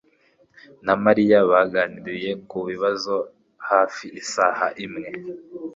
na Mariya baganiriye ku kibazo hafi isaha imwe